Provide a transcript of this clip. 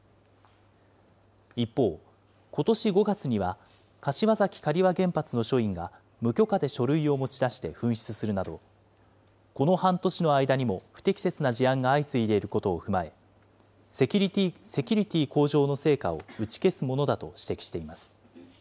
一方、ことし５月には、柏崎刈羽原発の所員が、無許可で書類を持ち出して紛失するなど、この半年の間にも不適切な事案が相次いでいることを踏まえ、セキュリティー向上の成果を打ち消すものだと指摘しています。